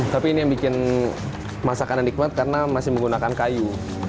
tapi ini yang bikin masakannya nikmat karena masih menggunakan kayu